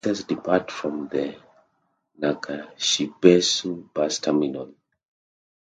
Buses depart from the Nakashibetsu Bus Terminal.